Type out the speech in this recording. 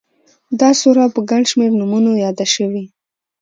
دا سوره په گڼ شمېر نومونو ياده شوې